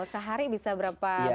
sehari bisa berapa belas ribu